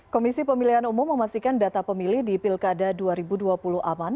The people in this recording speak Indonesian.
komisi pemilihan umum memastikan data pemilih di pilkada dua ribu dua puluh aman